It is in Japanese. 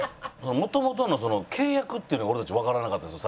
もともとの契約っていうのが俺たちわからなかったです